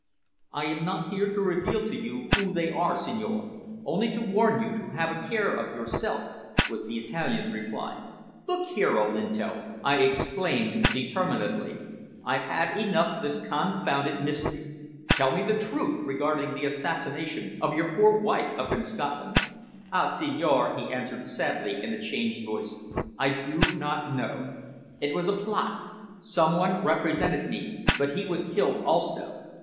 "I am not here to reveal to you who they are, signore, only to warn you to have a care of yourself," was the Italian's reply. "Look here, Olinto!" I exclaimed determinedly, "I've had enough of this confounded mystery. Tell me the truth regarding the assassination of your poor wife up in Scotland." "Ah, signore!" he answered sadly in a changed voice, "I do not know. It was a plot. Someone represented me but he was killed also.